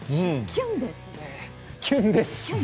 キュンです！